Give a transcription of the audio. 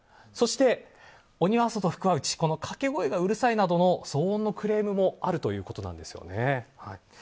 そして、鬼は外、福は内のかけ声がうるさいなどの騒音のクレームもあるということなんですよね。